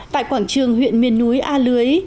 tại quảng trường huyện miền núi a lưới